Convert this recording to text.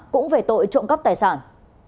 cũng về tội trộm cắp tài sản